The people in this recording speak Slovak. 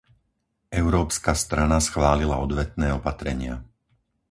Európska strana schválila odvetné opatrenia.